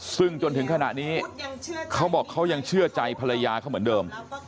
ซึ่งจนถึงขณะนี้เขาบอกเขายังเชื่อใจภรรยาเขาเหมือนเดิม